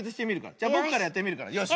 じゃぼくからやってみるから。